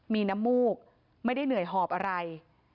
มีน้ำมูกไม่ได้เหนื่อยหอบอะไร